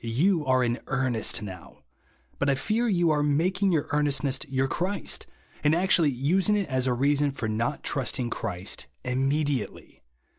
You are in earnest now ; but I fear you are making your earnestness your Clirist, and actually using it as a reason for not trusting Christ immediately.